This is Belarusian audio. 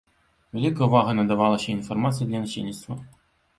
Вялікая ўвага надавалася і інфармацыі для насельніцтва.